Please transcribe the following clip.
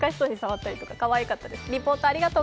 かわいかったです。